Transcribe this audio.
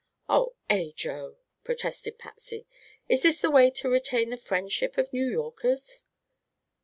"Oh, Ajo!" protested Patsy. "Is this the way to retain the friendship of New Yorkers?"